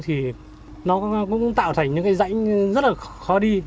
thì nó cũng tạo thành những cái rãnh rất là khó đi